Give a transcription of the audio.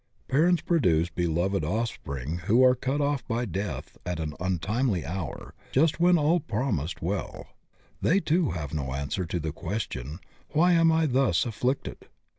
Parents produce beloved offspring who are cut off by deatfi at an untimely hour, just when all promised well. They too have no answer to the question "Why am I thus afflicted?"